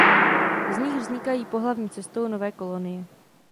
Z nich vznikají pohlavní cestou nové kolonie.